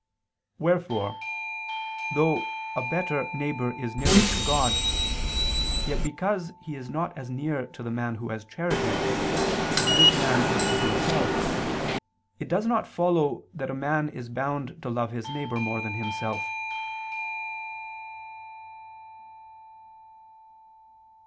Wherefore, though a better neighbor is nearer to God, yet because he is not as near to the man who has charity, as this man is to himself, it does not follow that a man is bound to love his neighbor more than himself.